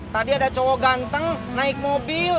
tadi ada cowok ganteng naik mobil